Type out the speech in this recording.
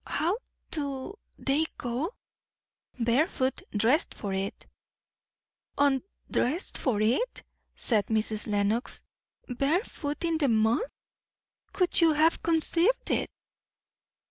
"How do they go?" "Barefoot dressed for it." "_Un_dressed for it," said Mrs. Lenox. "Barefoot in the mud! Could you have conceived it!"